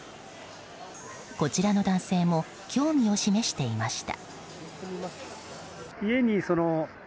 こちらの男性も興味を示していました。